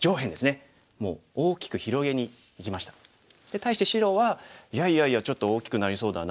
対して白は「いやいやいやちょっと大きくなりそうだな。